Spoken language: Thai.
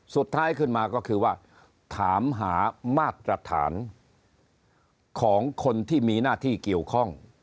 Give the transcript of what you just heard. สุดท้ายขึ้นมาก็คือว่าถามหามาตรฐานของคนที่มีหน้าที่เกี่ยวข้อง